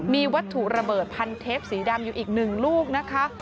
มีวัตถุระเบิดพันเทปสีดำอยู่อีก๑ลูกนะคะ